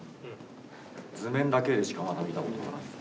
図面だけでしかまだ見たことがないんで。